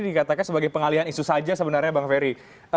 dikatakan sebagai pengalihan isu saja sebenarnya bang ferry